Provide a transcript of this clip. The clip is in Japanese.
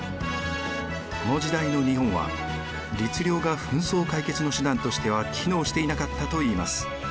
この時代の日本は律令が紛争解決の手段としては機能していなかったといいます。